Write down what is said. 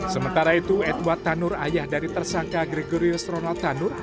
sementara itu edward tanur ayah dari tersangka gregorius ronald tanur